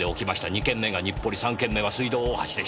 ２件目が日暮里３件目は水道大橋でした。